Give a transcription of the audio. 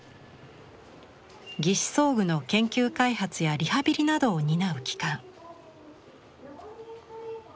義肢装具の研究開発やリハビリなどを担う機関。